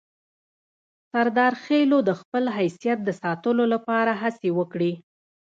سردارخېلو د خپل حیثیت د ساتلو لپاره هڅې وکړې.